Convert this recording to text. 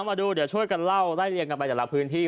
มาดูเดี๋ยวช่วยกันเล่าไล่เรียงกันไปแต่ละพื้นที่